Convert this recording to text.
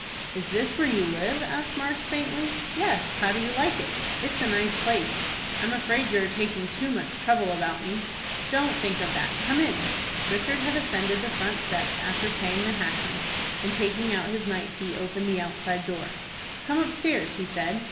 "Is this where you live?" asked Mark, faintly. "Yes. How do you like it?" "It's a nice place. I am afraid you are taking too much trouble about me." "Don't think of that. Come in." Richard had ascended the front steps, after paying the hackman, and taking out his night key opened the outside door. "Come upstairs," he said.